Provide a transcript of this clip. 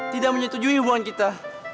tidak menyetujui hubungan kita